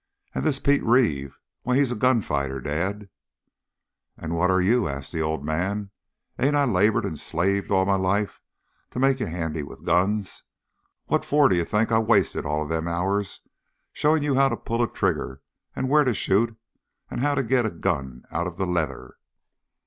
"And this Pete Reeve why, he's a gunfighter, Dad." "And what are you?" asked the old man. "Ain't I labored and slaved all my life to make you handy with guns? What for d'you think I wasted all them hours showin' you how to pull a trigger and where to shoot and how to get a gun out of the leather?"